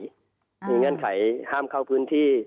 มีเงื่อนไขห้ามเข้าพื้นที่